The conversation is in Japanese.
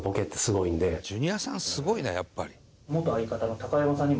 ジュニアさんすごいなやっぱり。